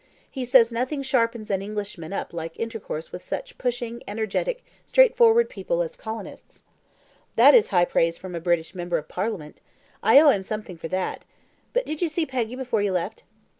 He says nothing sharpens an Englishman up like intercourse with such pushing, energetic, straightforward people as colonists." "That is high praise from a British member of Parliament. I owe him something for that. But did you see Peggy before you left?"